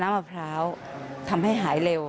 มะพร้าวทำให้หายเร็ว